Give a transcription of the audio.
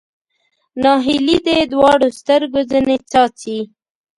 ناهیلي دې دواړو سترګو ځنې څاڅي